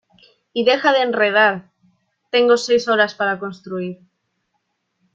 y deja de enredar. tengo seis horas para construir